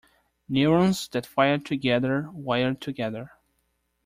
Neurons that fire together wire together.